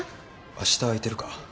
明日空いてるか？